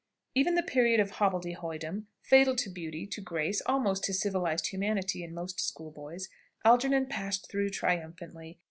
Even the period of hobbledehoydom, fatal to beauty, to grace, almost to civilised humanity in most schoolboys, Algernon passed through triumphantly.